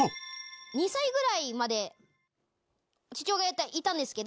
２歳ぐらいまで父親がいたんですけど、